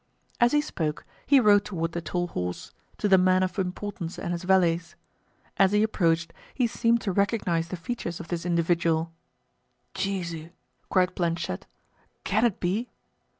As he spoke, he rode toward the tall horse—to the man of importance and his valets. As he approached he seemed to recognize the features of this individual. "Jesu!" cried Planchet, "can it be?"